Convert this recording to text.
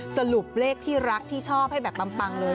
สรุปเลขที่รักที่ชอบให้แบบปังเลย